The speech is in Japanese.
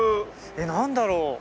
えっなんだろう？